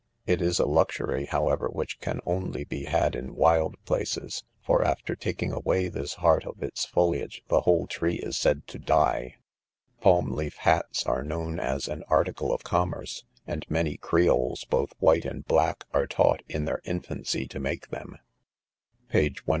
It is a luxury, however, which can only be had in wild places; for after taking away this heart of its foliage, the whole tree is said to die. Palm leaf hats are known as an article of commerce; and many Creoles., both white and black, are taught in their infancy to make them. Page 195.